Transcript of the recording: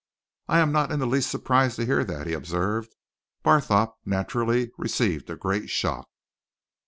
"I am not in the least surprised to hear that," he observed. "Barthorpe naturally received a great shock.